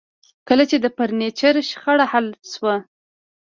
کله چې د فرنیچر شخړه حل شوه